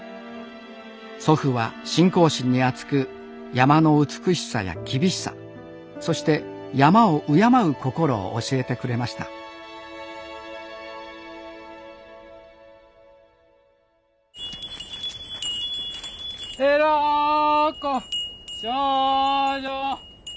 祖父は信仰心にあつく山の美しさや厳しさそして山を敬う心を教えてくれました六根清浄。